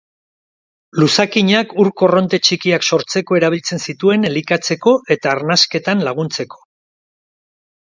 Luzakinak ur-korronte txikiak sortzeko erabiltzen zituen elikatzeko eta arnasketan laguntzeko.